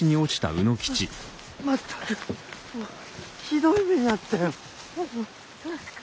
まったくひどい目に遭ったよ。